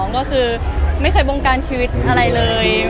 ก็คือไม่เคยบงการชีวิตอะไรเลย